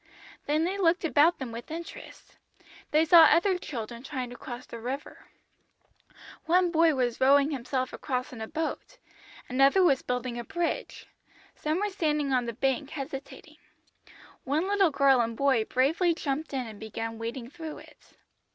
"Then they looked about them with interest. They saw other children trying to cross the river; one boy was rowing himself across in a boat, another was building a bridge, some were standing on the bank hesitating. One little girl and boy bravely jumped in and began wading through it.